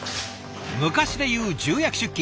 昔でいう重役出勤。